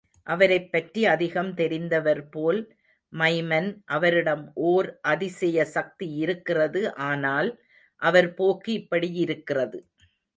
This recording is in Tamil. அவரைப்பற்றி அதிகம் தெரிந்தவர் போல், மைமன் அவரிடம் ஓர் அதிசய சக்தியிருக்கிறது ஆனால், அவர் போக்கு இப்படி யிருக்கிறது.